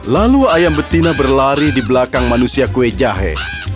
lalu ayam betina berlari di belakang manusia kue jahe